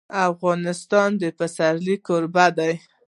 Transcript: افغانستان د پسرلی کوربه دی.